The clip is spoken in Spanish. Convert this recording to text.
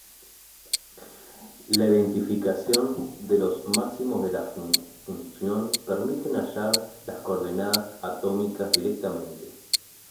La identificación de los máximos de la función permite hallar las coordenadas atómicas directamente.